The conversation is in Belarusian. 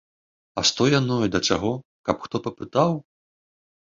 А што яно і да чаго, каб хто папытаў.